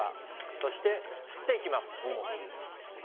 そしてすっていきます。